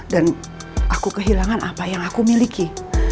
dan aku kehilangan apa yang aku miliki